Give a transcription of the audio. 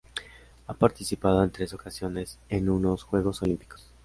Ha participado en tres ocasiones en unos Juegos Olímpicos.